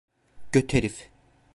Göt herif!